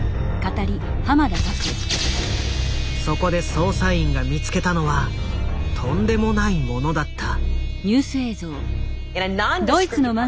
そこで捜査員が見つけたのはとんでもないものだった。